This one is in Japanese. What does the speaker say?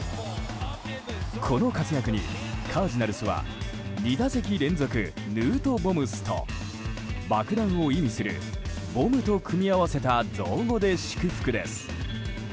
この活躍にカージナルスは２打席連続ヌートボムスと爆弾を意味するボムと組み合わせた造語で祝福です。